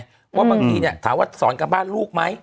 เพราะว่าบางทีถามว่าสอนกับบ้านลูกไหม